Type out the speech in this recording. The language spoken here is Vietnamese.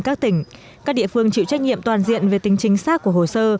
các địa phương chịu trách nhiệm toàn diện về tính chính xác của hồ sơ